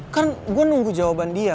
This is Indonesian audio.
kan gue nunggu jawaban dia